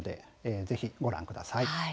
ぜひ、ご覧ください。